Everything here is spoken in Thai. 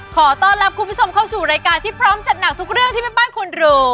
ขอต้อนรับคุณผู้ชมเข้าสู่รายการที่พร้อมจัดหนักทุกเรื่องที่แม่บ้านควรรู้